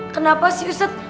kenapa sih ustad